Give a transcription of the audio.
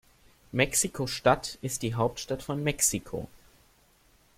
Mexiko-Stadt ist die Hauptstadt von Mexiko.